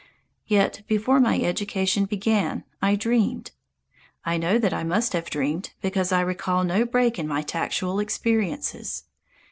Yet before my education began, I dreamed. I know that I must have dreamed because I recall no break in my tactual experiences.